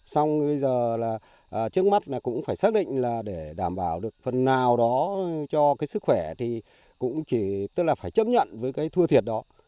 xong bây giờ là trước mắt là cũng phải xác định là để đảm bảo được phần nào đó cho cái sức khỏe thì cũng chỉ tức là phải chấp nhận với cái thua thiệt đó